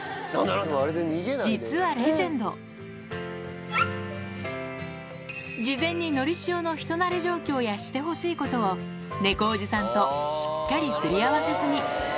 実はレジェンド、事前にのりしおの人なれ状況や、してほしいことを、猫おじさんとしっかりすり合わせ済み。